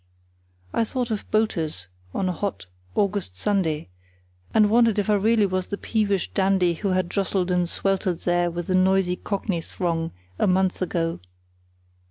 I thought of Boulter's on a hot August Sunday, and wondered if I really was the same peevish dandy who had jostled and sweltered there with the noisy cockney throng a month ago.